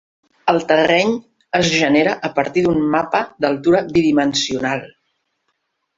El terreny es genera a partir d'un mapa d'altura bidimensional.